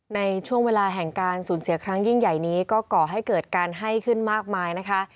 ในช่วงเวลาแห่งการสูญเสียครั้งยิ่งใหญ่นี้ก็ก่อให้เกิดการให้ขึ้นมากมายนะคะ